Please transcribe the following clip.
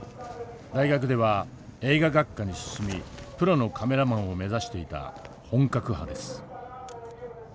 大学では映画学科に進みプロのカメラマンを目指していた本格派です。